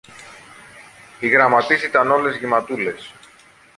οι γραμματείς ήταν όλες γεματούλες